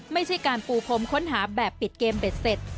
ไม่ใช่การปูพรมค้นหาแบบปิดเกมเบ็ดเสร็จ